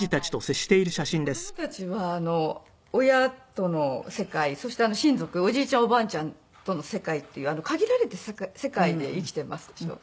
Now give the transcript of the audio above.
恐らく子供たちは親との世界そして親族おじいちゃんおばあちゃんとの世界っていう限られた世界で生きていますでしょ。